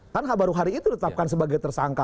karena kan baru hari itu ditetapkan sebagai tersangka